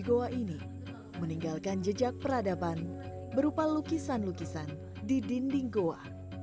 goa ini meninggalkan jejak peradaban berupa lukisan lukisan di dinding goa